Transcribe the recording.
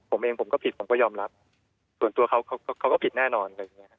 ผมเองผมก็ผิดผมก็ยอมรับค่ะส่วนตัวเขาก็คิดแน่นอน